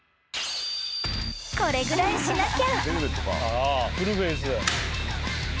［これぐらいしなきゃ］